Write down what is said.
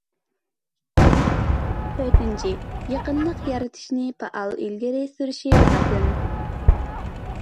تۆتىنچى، يېڭىلىق يارىتىشنى پائال ئىلگىرى سۈرۈش لازىم.